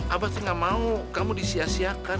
apa tuh gak mau kamu disiasiakan